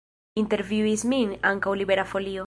Intervjuis min ankaŭ Libera Folio.